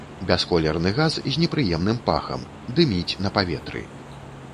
Бясколерны газ з непрыемным пахам, дыміць на паветры.